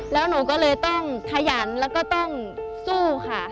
แล้วหนูก็เลยต้องขยันแล้วก็ต้องสู้ค่ะ